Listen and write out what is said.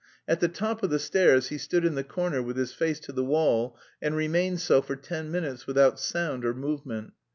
At the top of the stairs he stood in the corner with his face to the wall and remained so for ten minutes without sound or movement.